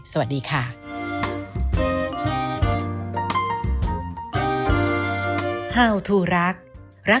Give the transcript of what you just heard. สวัสดีค่ะ